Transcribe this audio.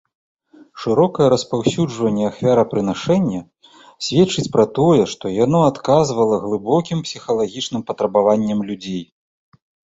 Шырокае распаўсюджванне ахвярапрынашэння сведчыць пра тое, што яно адказвала глыбокім псіхалагічным патрабаванням людзей.